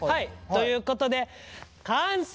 ということで完成！